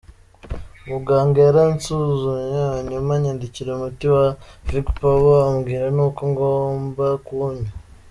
Umuganga yaransuzumye, hanyuma anyandikira umuti wa Vigpower, ambwira n’uko ngomba kuwunywa.